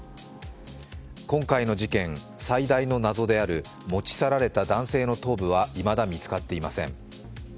今回の事件、最大の謎である持ち去られた男性の頭部はいまだ見つかっていません。